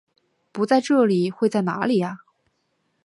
不在这里会在哪里啊？